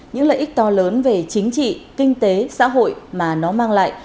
những lợi ích to lớn về chính trị kinh tế xã hội mà nó mang lại